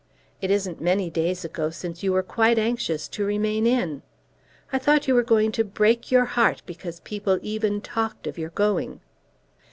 It isn't many days ago since you were quite anxious to remain in. I thought you were going to break your heart because people even talked of your going."